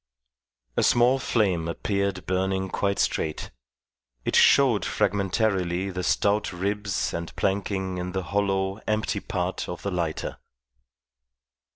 A small flame appeared burning quite straight. It showed fragmentarily the stout ribs and planking in the hollow, empty part of the lighter.